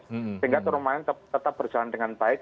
sehingga turnamen tetap berjalan dengan baik